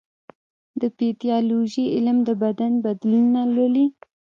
د پیتالوژي علم د بدن بدلونونه لولي.